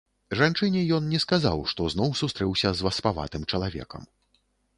Жанчыне ён не сказаў, што зноў сустрэўся з васпаватым чалавекам.